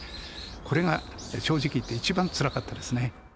これが正直いって一番つらかったですね。